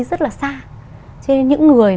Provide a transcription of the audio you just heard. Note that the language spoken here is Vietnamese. rất là xa cho nên những người